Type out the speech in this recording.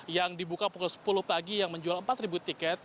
yang dibuka pukul sepuluh pagi yang menjual empat tiket